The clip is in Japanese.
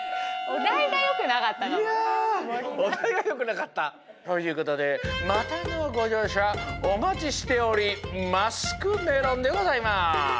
おだいがよくなかった？ということでまたのごじょうしゃおまちしておりマスクメロンでございます。